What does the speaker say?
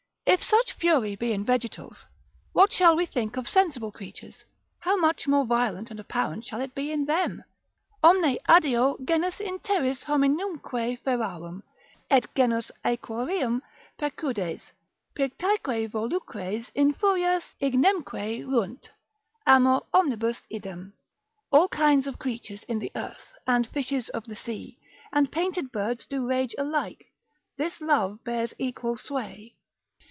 103. &c. If such fury be in vegetals, what shall we think of sensible creatures, how much more violent and apparent shall it be in them! Omne adeo genus in terris hominumque ferarum, Et genus aequoreum, pecudes, pictaeque volucres In furias ignemque ruunt; amor omnibus idem. All kind of creatures in the earth, And fishes of the sea, And painted birds do rage alike; This love bears equal sway.